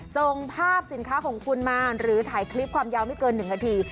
ส่งภาพสินค้าของคุณมาหรือถ่ายคลิปความยาวไม่เกิน๑นาที